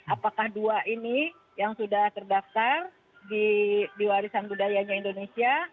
apakah dua ini yang sudah terdaftar di warisan budayanya indonesia